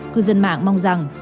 cư dân mạng mong rằng